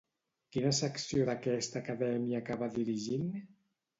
Quina secció d'aquesta acadèmia acabà dirigint?